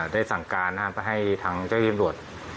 ได้สั่งการประให้ทางเจ้าธิบุรุษ